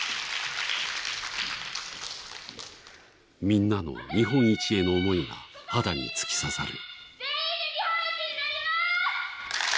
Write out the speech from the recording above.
みんなの日本一への思いが肌に突き刺さる。